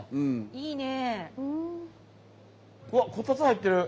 いいね！